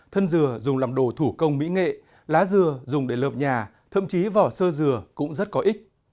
thân dừa dùng làm đồ thủ công mỹ nghệ lá dừa dùng để lợp nhà thậm chí vỏ sơ dừa cũng rất có ích